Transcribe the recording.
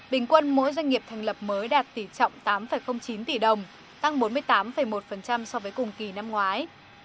bình quân mỗi doanh nghiệp thành lập mới đạt tỷ trọng tám chín tỷ đồng tăng bốn mươi tám một so với cùng kỳ năm ngoái